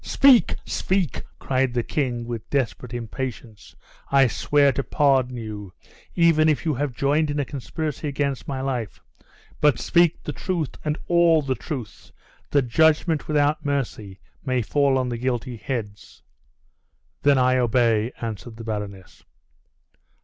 "Speak! speak!" cried the king, with desperate impatience. "I swear to pardon you, even if you have joined in a conspiracy against my life; but speak the truth, and all the truth, that judgment, without mercy, may fall on the guilty heads!" "Then I obey," answered the baroness.